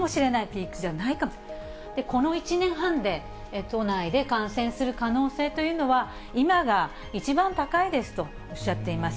この１年半で、都内で感染する可能性というのは、今が一番高いですとおっしゃっています。